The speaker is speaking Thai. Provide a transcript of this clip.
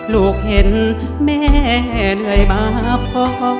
ลูกเห็นแม่เหนื่อยมาพอ